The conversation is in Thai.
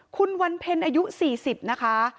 คุณวันเพ็ญอายุ๔๐นะคะ